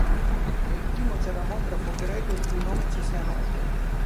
È il primo ceramografo greco il cui nome ci sia noto.